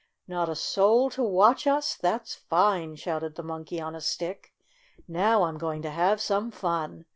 " Not a soul to watch us ? That 's fine !'' shouted the Monkey on a Stick. "Now I'm going to have some fun!"